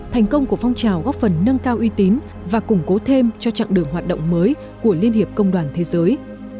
thành công của phong trào góp phần nâng cao uy tín và củng cố thêm cho chặng đường hoạt động mới của liên hiệp công đoàn thế giới